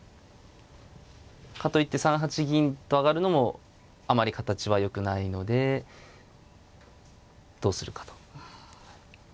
かといって３八銀と上がるのもあまり形はよくないのでどうするかと。